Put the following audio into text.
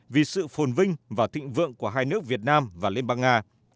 vì sự phồn vinh và thịnh vượng của hai nước việt nam và liên bang nga